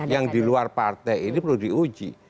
yang di luar partai ini perlu diuji